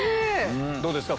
どうですか？